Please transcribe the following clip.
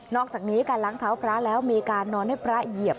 อกจากนี้การล้างเท้าพระแล้วมีการนอนให้พระเหยียบ